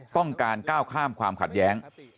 ต้องการก้าวข้ามความขัดแย้ง